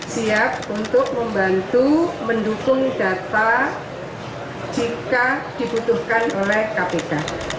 siap untuk membantu mendukung data jika dibutuhkan oleh kpk